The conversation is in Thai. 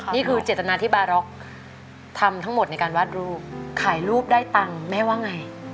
นี่คือเจตนาที่บาร็อกทำทั้งหมดในการวาดรูปถ่ายรูปได้ตังค์แม่ว่าไง